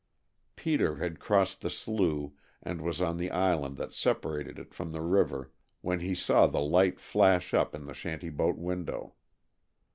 Peter had crossed the slough and was on the island that separated it from the river when he saw the light flash up in the shanty boat window.